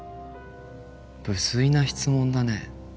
無粋な質問だね。